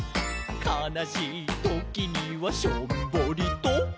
「かなしいときにはしょんぼりと」